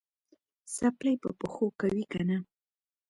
څپلۍ په پښو کوې که نه؟